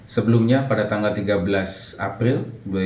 sebelumnya pada tanggal tiga belas april dua ribu dua puluh